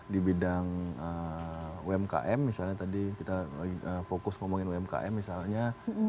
di bidang umkm misalnya tadi kita fokus ngomongin umkm misalnya